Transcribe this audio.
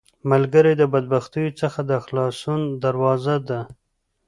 ملګری د بدبختیو څخه د خلاصون دروازه ده